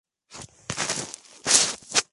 La periodicidad es quincenal.